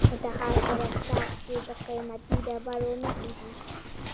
د تخار په رستاق کې د قیمتي ډبرو نښې دي.